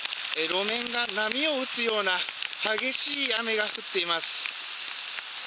路面が波を打つような、激しい雨が降っています。